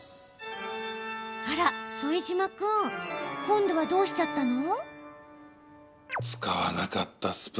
あら、副島君今度はどうしちゃったの？